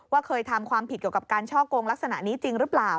เคยทำความผิดเกี่ยวกับการช่อกงลักษณะนี้จริงหรือเปล่า